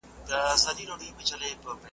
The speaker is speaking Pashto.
ورځي به توري شپې به ا وږدې وي `